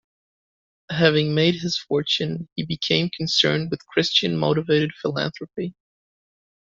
Having made his fortune, he became concerned with Christian-motivated philanthropy.